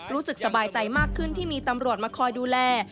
รู้สึกสบายใจมากขึ้นที่มีตำรวจมาคอยดูแล